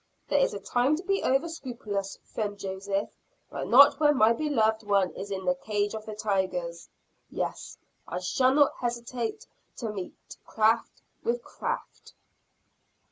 There is a time to be over scrupulous, friend Joseph, but not when my beloved one is in the cage of the tigers. Yes, I shall not hesitate to meet craft with craft."